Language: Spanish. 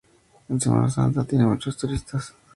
En semana santa tiene muchos turistas.